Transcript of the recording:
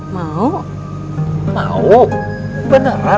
mau mau beneran mau